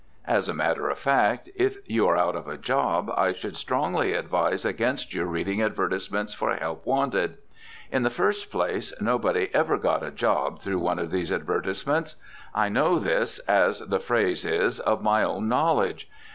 As a matter of fact, if you are out of a job I should strongly advise against your reading advertisements for help wanted. In the first place, nobody ever got a job through one of these advertisements. I know this, as the phrase is, of my own knowledge.